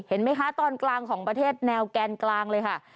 เห็นไหมคะตอนกลางของประเทศแนวแกนกลางเลยค่ะ